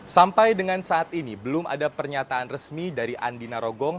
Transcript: sampai dengan saat ini belum ada pernyataan resmi dari andi narogong